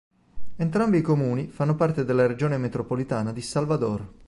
Entrambi i comuni fanno parte della Regione Metropolitana di Salvador.